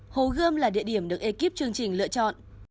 hồ gươm là địa điểm được ekip chương trình lựa chọn